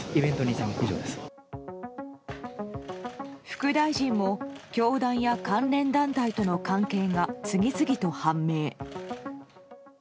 副大臣も教団や関連団体との関係が次々と判明。